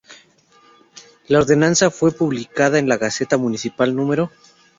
La ordenanza fue publicada en la Gaceta Municipal No.